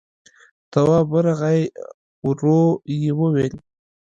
تواب ورغی، ورو يې وويل: